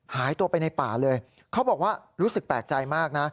หายตัวไปในป่าเลยเขาบอกว่ารู้สึกแปลกใจมากนะ